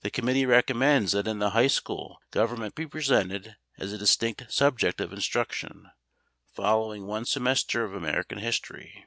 The committee recommends that in the high school Government be presented as a distinct subject of instruction following one semester of American History.